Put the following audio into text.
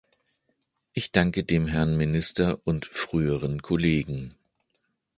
Ich danke dem Herrn Minister und früheren Kollegen.